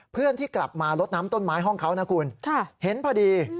เพื่อนที่กลับมาลดน้ำต้นไม้ห้องเขานะคุณเห็นพอดี